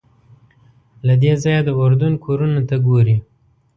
له دې ځایه د اردن کورونو ته ګورې.